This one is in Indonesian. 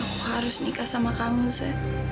aku harus nikah sama kamu saya